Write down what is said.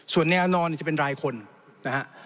ส่วนแนวนอนจะเป็นรายคนนะฮะ